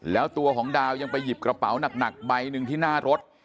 แล้วตัวของดาวยังไปหยิบกระเป๋าหนักใบหนึ่งที่หน้ารถ